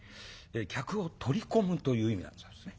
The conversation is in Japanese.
客を取り込むという意味なんだそうですね